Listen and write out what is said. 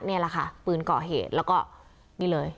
นี่แหละค่ะปืนก่อเหตุแล้วก็นี่เลย